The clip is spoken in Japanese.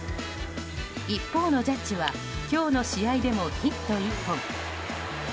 一方のジャッジは今日の試合でもヒット１本。